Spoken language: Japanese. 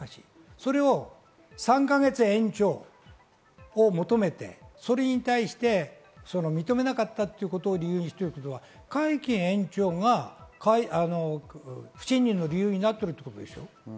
それを３か月延長、それを求めて認めなかったということを理由にしているということは会期延長が不信任の理由になっているということでしょう。